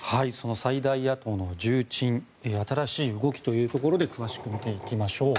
最大野党の重鎮新しい動きということで詳しく見ていきましょう。